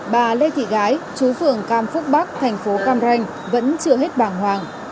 bà lê thị gái chú phường cam phúc bắc tp cam ranh vẫn chưa hết bảng hoàng